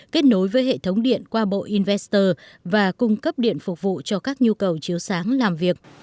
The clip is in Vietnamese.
kết nối với hệ thống điện qua bộ invester và cung cấp điện phục vụ cho các nhu cầu chiếu sáng làm việc